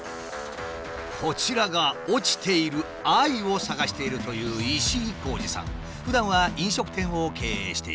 こちらが落ちている愛を探しているというふだんは飲食店を経営している。